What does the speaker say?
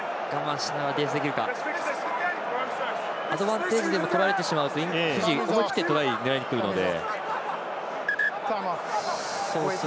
アドバンテージとられてしまうと、フィジー思い切ってトライ狙いにくるので。